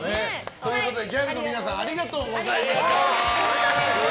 ということでギャルの皆さんありがとうございました。